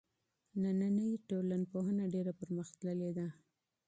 نننۍ ټولنپوهنه ډېره پرمختللې ده.